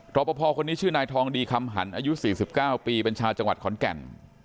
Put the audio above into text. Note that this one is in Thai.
รอปภคนนี้ชื่อนายทองดีคำหันอายุ๔๙ปีเป็นชาวจังหวัดขอนแก่น